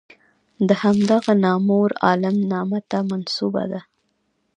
د همدغه نامور عالم نامه ته منسوبه ده.